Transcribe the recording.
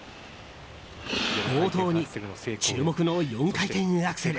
冒頭に注目の４回転アクセル。